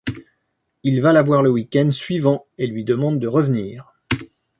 Il va la voir le week-end suivant et lui demande de revenir.